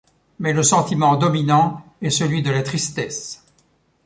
Mais le sentiment dominant est celui de la tristesse.